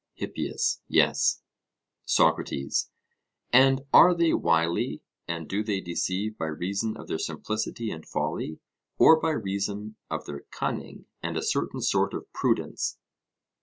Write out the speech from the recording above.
HIPPIAS: Yes. SOCRATES: And are they wily, and do they deceive by reason of their simplicity and folly, or by reason of their cunning and a certain sort of prudence?